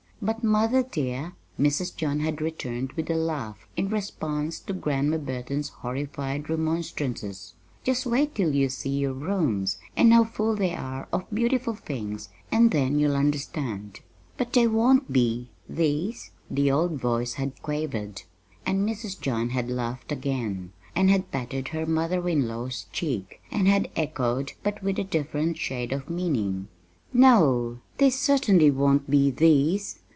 "But, mother, dear," Mrs. John had returned, with a laugh, in response to Grandma Burton's horrified remonstrances, "just wait until you see your rooms, and how full they are of beautiful things, and then you'll understand." "But they won't be these," the old voice had quavered. And Mrs. John had laughed again, and had patted her mother in law's cheek, and had echoed but with a different shade of meaning "No, they certainly won't be these!"